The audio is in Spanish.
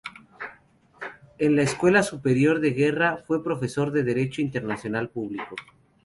En la Escuela Superior de Guerra, fue profesor de Derecho Internacional Público.